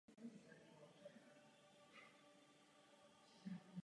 Ekonomika obce se tak po rozpadu Sovětského svazu orientuje především na turismus.